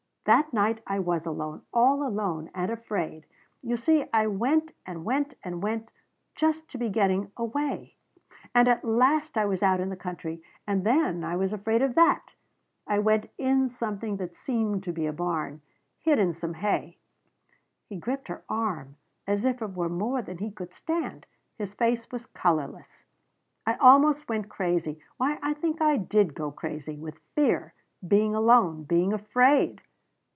That night I was alone. All alone. And afraid. You see I went and went and went. Just to be getting away. And at last I was out in the country. And then I was afraid of that. I went in something that seemed to be a barn. Hid in some hay " He gripped her arm as if it were more than he could stand. His face was colorless. "I almost went crazy. Why I think I did go crazy with fear. Being alone. Being afraid."